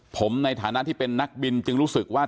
ผมในฐานะที่เป็นนักบินจึงรู้สึกว่า